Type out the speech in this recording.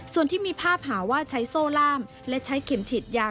ส่วนที่มีภาพหาว่าใช้โซ่ล่ามและใช้เข็มฉีดยา